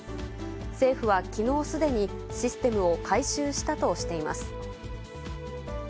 政府はきのう、すでにシステムを改修したとしています。